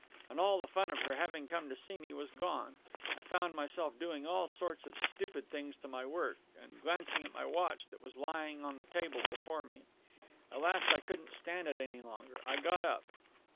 And all the fun of her having come to see me was gone. I found myself doing all sorts of stupid things to my work, and glancing at my watch that was lying on the table before me. At last I couldn't stand it any longer. I got up.